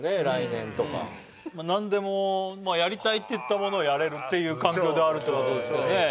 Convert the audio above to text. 来年とか何でもまあやりたいって言ったものをやれるっていう環境であるってことですよね